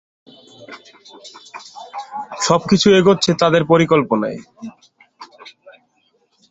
সব কিছু এগুচ্ছে তাদের পরিকল্পনায়।